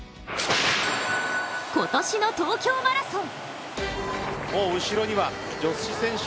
今年の東京マラソン。